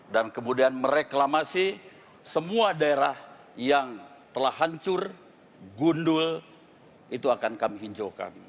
dan kemudian mereklamasi semua daerah yang telah hancur gundul itu akan kami hinjaukan